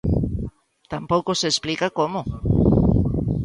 Tampouco se explica como.